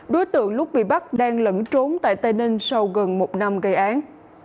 đối tượng lúc bị bắt đang lẫn trốn tại tây ninh sau gần một năm gây án